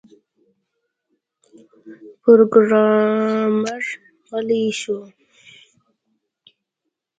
پروګرامر غلی شو